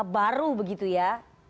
baru begitu ya